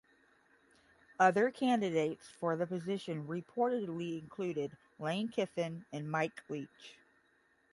Other candidates for the position reportedly included Lane Kiffin and Mike Leach.